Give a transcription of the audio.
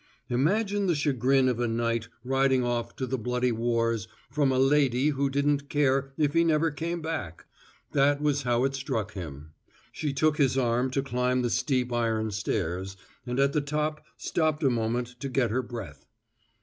Imagine the chagrin of a knight riding off to the bloody wars from a ladye who didn't care if he never came back. That was how it struck him. She took his arm to climb the steep iron stairs, and at the top stopped a moment to get her breath.